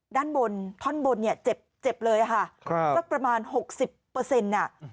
ด้านบนท่อนบนเนี่ยเจ็บเจ็บเลยค่ะครับสักประมาณหกสิบเปอร์เซ็นต์อ่ะ